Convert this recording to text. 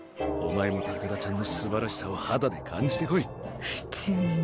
お前も高田ちゃんのすばらしさを肌で感じてこい。